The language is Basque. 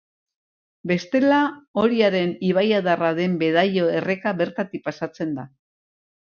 Bestela, Oriaren ibaiadarra den Bedaio erreka bertatik pasatzen da.